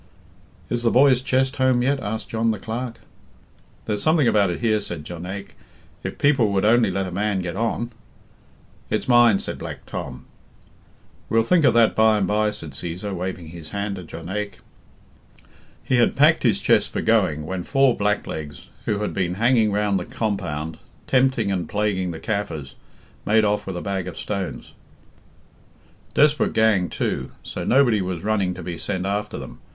"Is the boy's chest home yet?" asked John the Clerk. "There's something about it here," said Jonaique, "if people would only let a man get on." "It's mine," said Black Tom. "We'll think of that by and bye," said Cæsar, waving his hand to Jonaique. "'He had packed his chest for going, when four blacklegs, who had been hanging round the compound, tempting and plaguing the Kaffirs, made off with a bag of stones. Desperate gang, too; so nobody was running to be sent after them.